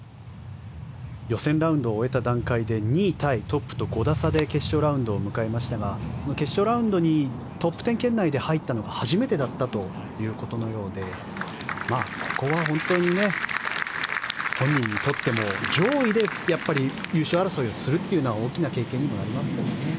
予選ラウンドを終えた段階で２位タイトップと５打差で決勝ラウンドを迎えましたが決勝ラウンドにトップ１０圏内で入ったのが初めてだったということのようでここは本当に本人にとっても上位で優勝争いをするというのは大きな経験にもなりますよね。